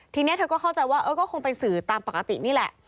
ทีนี้เธอก็เข้าใจว่าก็คงไปสื่อตามปกตินี่แหละ